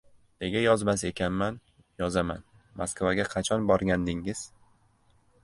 — Nega yozmas ekanman. Yozaman. Moskvaga qachon borgandingiz?